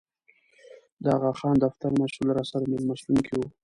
د اغاخان دفتر مسوول راسره مېلمستون کې و.